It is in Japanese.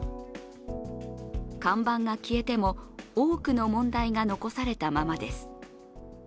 看板が消えても多くの問題が残されたままです